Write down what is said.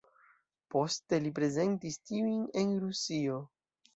Poste li prezentis tiujn en Rusio.